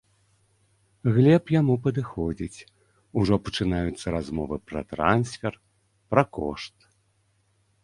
Глеб яму падыходзіць, ужо пачынаюцца размовы пра трансфер, пра кошт.